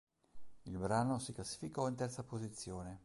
Il brano si classificò in terza posizione.